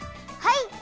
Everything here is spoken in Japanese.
はい！